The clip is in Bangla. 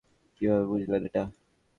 কীভাবে বুঝলেন এটা?